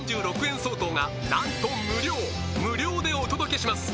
相当がなんと無料無料でお届けします